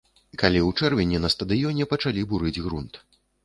Калі ў чэрвені на стадыёне пачалі бурыць грунт.